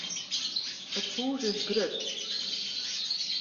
It hûs is grut.